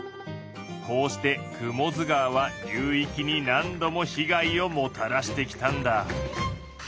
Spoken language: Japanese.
こうして雲出川は流域に何度も被害をもたらしてきたんだ。